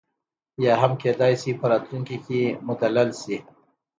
یا هم کېدای شي په راتلونکي کې مدلل شي.